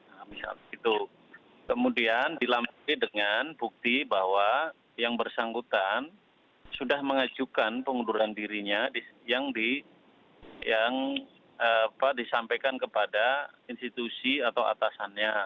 nah misalnya begitu kemudian dilampi dengan bukti bahwa yang bersangkutan sudah mengajukan pengunduran dirinya yang disampaikan kepada institusi atau atasannya